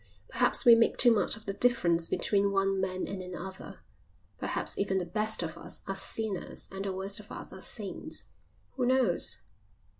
Perhaps we make too much of the difference between one man and another. Perhaps even the best of us are sinners and the worst of us are saints. Who knows?"